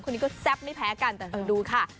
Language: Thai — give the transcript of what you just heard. คนนี้ก็แซ่บไม่แพ้กันแต่ดูค่ะ